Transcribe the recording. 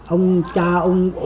ông cha ông